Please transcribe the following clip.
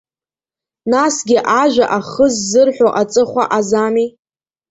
Насгьы, ажәа ахы ззырҳәо аҵыхәа азами.